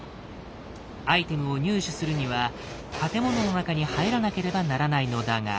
アイテムを入手するには建物の中に入らなければならないのだが。